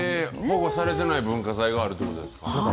保護されてない文化財があるということですか。